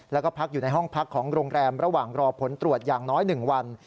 แล้วก็พักอยู่ในห้องพักของโรงแรมระหว่างรอผลตรวจอย่างน้อย๑วัน